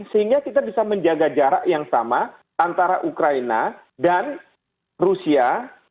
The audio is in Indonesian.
sehingga kita bisa menjaga jarak yang sama antara ukraina dan rusia